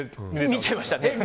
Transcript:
見ちゃいましたね。